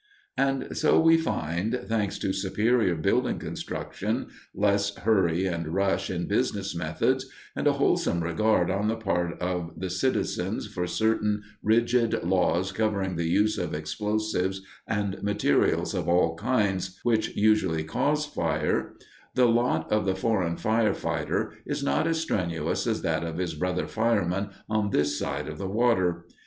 And so we find, thanks to superior building construction, less hurry and rush in business methods, and a wholesome regard on the part of the citizens for certain rigid laws covering the use of explosives and materials of all kinds which usually cause fire, the lot of the foreign firefighter is not as strenuous as that of his brother fireman on this side of the water.